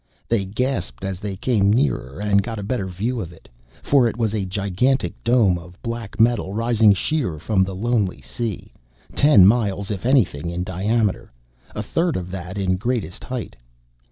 They gasped as they came nearer and got a better view of it. For it was a gigantic dome of black metal rising sheer from the lonely sea, ten miles if anything in diameter, a third that in greatest height.